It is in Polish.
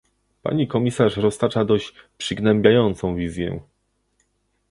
Pani komisarz roztacza dość przygnębiającą wizję